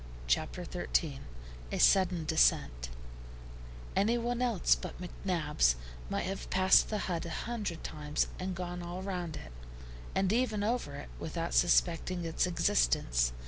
CHAPTER XIII A SUDDEN DESCENT ANYONE else but McNabbs might have passed the hut a hundred times, and gone all round it, and even over it without suspecting its existence.